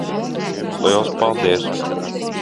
Liels paldies.